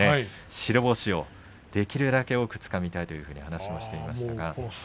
白星をできるだけ多くつかみたいという話をしています。